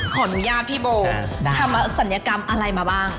ขออนุญาตพี่โบทำศัลยกรรมอะไรมาบ้าง